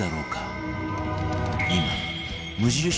今無印